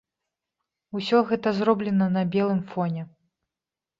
Усё гэта зроблена на белым фоне.